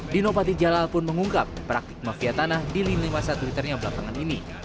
dino patijalal pun mengungkap praktik mafia tanah di lini masa twitternya belakangan ini